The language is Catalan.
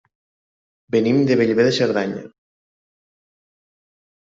Venim de Bellver de Cerdanya.